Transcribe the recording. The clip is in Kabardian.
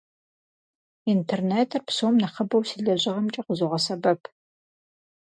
Интернетыр псом нэхъыбэу си лэжьыгъэмкӏэ къызогъэсэбэп.